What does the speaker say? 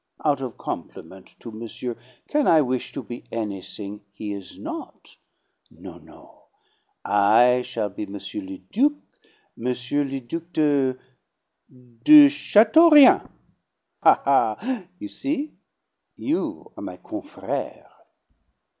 Out of compliment to monsieur can I wish to be anything he is not? No, no! I shall be M. le Duc, M. le Duc de de Chateaurien. Ha, ha! You see? You are my confrere."